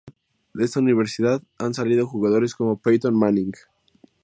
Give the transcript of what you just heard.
De esta universidad han salido jugadores como Peyton Manning.